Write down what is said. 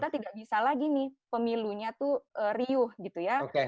tidak bisa lagi nih pemilunya tuh riuh gitu ya